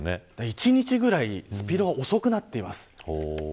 １時ぐらいにスピードが遅くなっています。